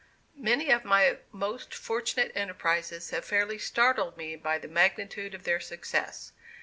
Many of my most fortunate enterprises have fairly startled me by the magnitude of their success.